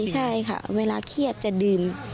ใช่ค่ะเวลาเครียดจะดื่ม